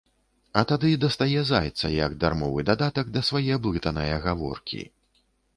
А тады дастае зайца, як дармовы дадатак да свае блытанае гаворкі.